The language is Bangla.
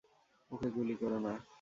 ওকে গুলি কোরো না!